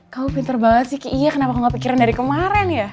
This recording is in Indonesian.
kamu pinter banget sih kiki iya kenapa aku gak pikirin dari kemaren ya